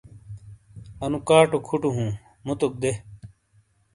اَنُو کاٹو کھُوٹو ہُوں، مُوتوق دے۔